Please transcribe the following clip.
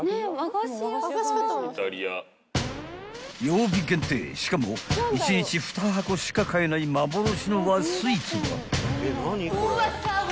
［曜日限定しかも１日２箱しか買えない幻の和スイーツは？］